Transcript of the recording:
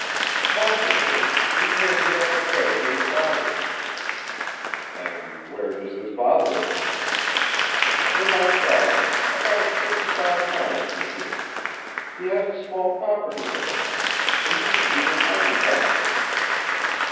"Possibly. He came here on his way to his father's." "And where does his father live?" "In our province, about sixty five miles from here. He has a small property there. He used to be an army doctor."